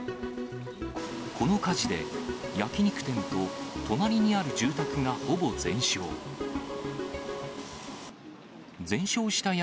この火事で、焼き肉店と隣にある住宅がほぼ全焼。